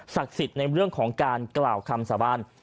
สิทธิ์ในเรื่องของการกล่าวคำสาบาน